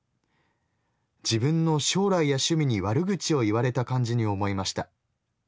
自分の将来や趣味に悪口を言われた感じに思いました。